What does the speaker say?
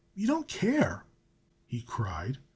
"You don't care!" he cried.